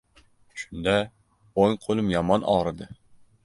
Shunda, o‘ng qo‘lim yomon og‘ridi...